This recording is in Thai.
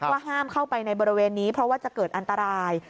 ว่าห้ามเข้าไปในบริเวณนี้เพราะว่าจะเกิดอันตราย